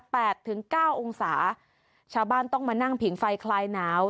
ถึงเก้าองศาชาวบ้านต้องมานั่งผิงไฟคลายหนาว